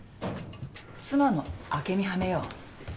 妻の朱美はめよう。